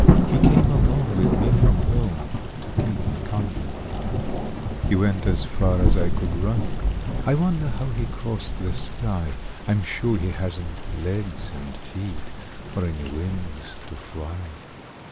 He came along with me from home To keep me company. He went as fast as I could run; I wonder how he crossed the sky? I'm sure he hasn't legs and feet Or any wings to fly.